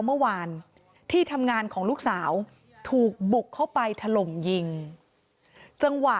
เมื่อวานที่ทำงานของลูกสาวถูกบุกเข้าไปถล่มยิงจังหวะ